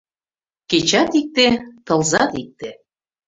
Кечат икте, тылзат икте